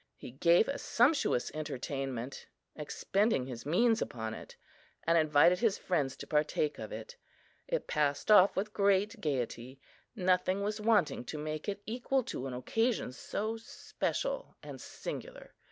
He gave a sumptuous entertainment, expending his means upon it, and invited his friends to partake of it. It passed off with great gaiety; nothing was wanting to make it equal to an occasion so special and singular.